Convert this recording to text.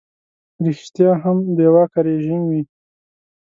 ریشتیا هم بې واکه رژیم وي.